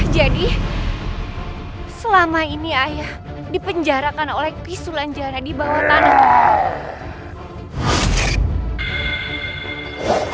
jadi selama ini ayah dipenjarakan oleh pisul anjana di bawah tanah